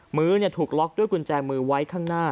มือถูกล็อกด้วยกุญแจมือไว้ข้างหน้า